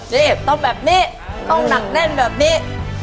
นี่ต้องแบบนี้ต้องหนักแน่นแบบนี้